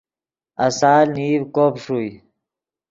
آسال نیڤ کوب ݰوئے